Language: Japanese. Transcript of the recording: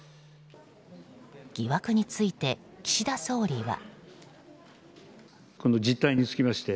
疑惑について岸田総理は。